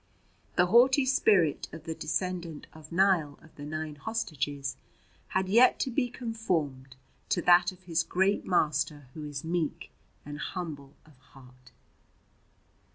The haughty spirit of the descendant of Niall of the Nine Hostages had yet to be conformed to that of his great Master Who is meek and humble of heart.